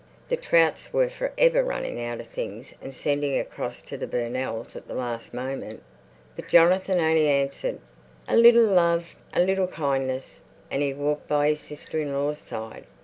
The Trouts were for ever running out of things and sending across to the Burnells' at the last moment. But Jonathan only answered, "A little love, a little kindness;" and he walked by his sister in law's side.